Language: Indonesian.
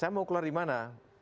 mau keluar dimana